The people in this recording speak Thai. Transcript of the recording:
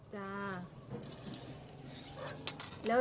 จ้ะ